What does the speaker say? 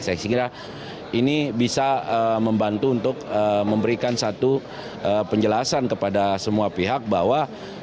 saya kira ini bisa membantu untuk memberikan satu penjelasan kepada semua pihak bahwa